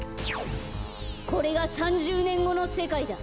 これが３０ねんごのせかいだ。